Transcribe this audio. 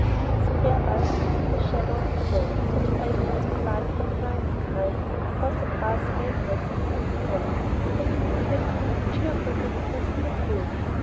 Its square bulk stood in the shadow of the wall, but fragments of light from the night sky caught the brass nailheads and bands upon it so that it appeared to wink cheerfully at Chris in the gloom.